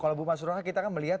kalau bu mas ruhah kita kan melihat